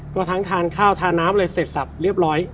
ก็ทั้งทานข้าวทานน้ำอะไรเสร็จสับเรียบร้อย